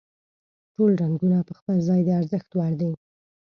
ټول رنګونه په خپل ځای د ارزښت وړ دي.